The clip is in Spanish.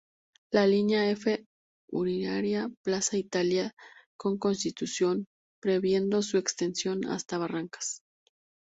La Línea F uniría Plaza Italia con Constitución, previendo su extensión hasta Barracas.